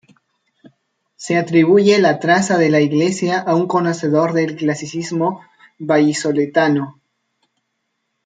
Se atribuye la traza de la iglesia a un conocedor del clasicismo vallisoletano.